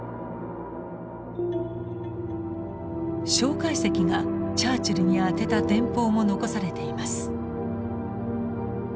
介石がチャーチルに宛てた電報も残されています。